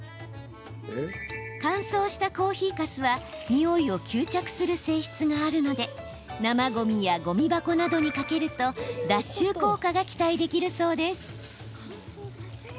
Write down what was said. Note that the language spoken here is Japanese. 乾燥したコーヒーかすはニオイを吸着する性質があるので生ごみや、ごみ箱などにかけると脱臭効果が期待できるそうです。